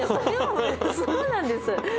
そうなんです。